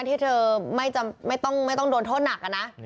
ที่เธอไม่ต้องโดนโทษหนักอะนะ